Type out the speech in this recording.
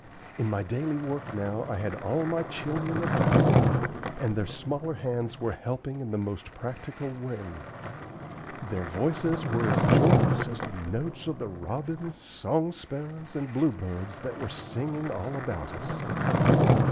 In my daily work now I had all my children about me, and their smaller hands were helping in the most practical way. Their voices were as joyous as the notes of the robins, song sparrows, and bluebirds that were singing all about us.